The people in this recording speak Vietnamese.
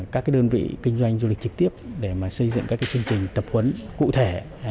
các đơn vị kinh doanh du lịch trực tiếp để xây dựng các chương trình tập huấn cụ thể